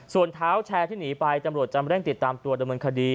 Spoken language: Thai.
ส่วนเท้าแชร์ที่หนีไปตำรวจจะเร่งติดตามตัวดำเนินคดี